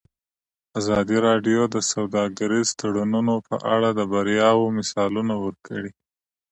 ازادي راډیو د سوداګریز تړونونه په اړه د بریاوو مثالونه ورکړي.